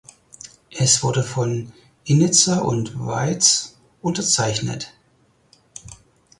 Es wurde von Innitzer und Waitz unterzeichnet.